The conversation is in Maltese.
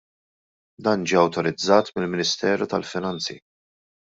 Dan ġie awtorizzat mill-Ministeru tal-Finanzi.